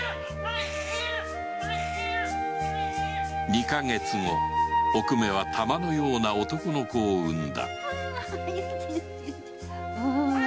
二か月後おくめは珠のような男の子を産んだ